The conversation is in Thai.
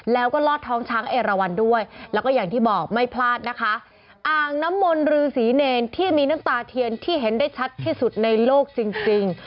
แล้วก็ลอดท้องช้างเอราวันด้วยแล้วก็อย่างที่บอกไม่พลาดนะคะอ่างน้ำมนต์รือศรีเนรที่มีน้ำตาเทียนที่เห็นได้ชัดที่สุดในโลกจริงจริง